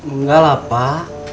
enggak lah pak